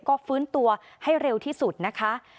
ก็ฟื้นตัวให้เร็วที่สุดนะคะ